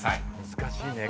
難しいね。